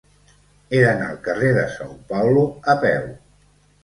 He d'anar al carrer de São Paulo a peu.